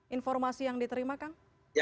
informasi yang diterima kang